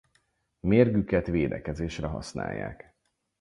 Mérgüket védekezésre használják.